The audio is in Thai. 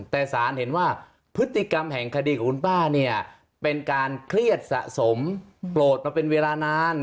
แต่สารเห็นว่าพฤติกรรมแห่งคดีของคุณป้าเนี่ยเป็นการเครียดสะสมโปรดมาเป็นเวลานาน